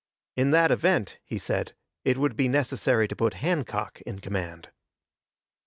In that event, he said, it would be necessary to put Hancock in command.